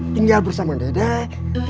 tinggal bersama dedek